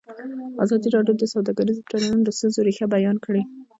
ازادي راډیو د سوداګریز تړونونه د ستونزو رېښه بیان کړې.